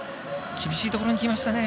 厳しいところにきましたね。